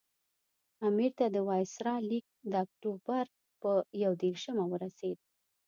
امیر ته د وایسرا لیک د اکټوبر پر یو دېرشمه ورسېد.